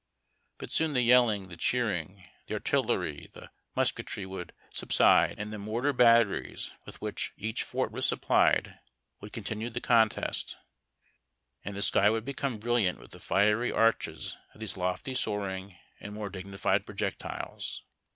But soon the yelling, the cheering, the artillery, the mus ketry would subside, and the mortar batteries with which each fort was supplied woidd continue the contest, and the A BOMB PKOOF IN FORT HELL BEFORE PETERSBURG. sK}^ would become brilliant witli the fiery a relies of these lofty soaring and more dignified projectiles.